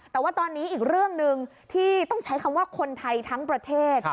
แต่ว่าตอนนี้อีกเรื่องหนึ่งที่ต้องใช้คำว่าคนไทยทั้งประเทศ